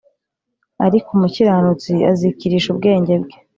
Ariko umukiranutsi azikirisha ubwenge bwe